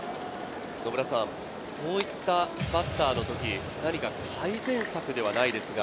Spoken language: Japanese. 野村さん、そういったバッターのとき、何か改善策ではないですが。